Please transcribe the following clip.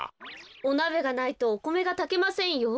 おなべがないとおこめがたけませんよ。